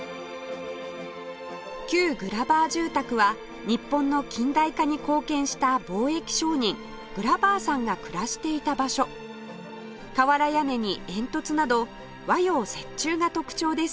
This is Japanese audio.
旧グラバー住宅は日本の近代化に貢献した貿易商人グラバーさんが暮らしていた場所瓦屋根に煙突など和洋折衷が特徴です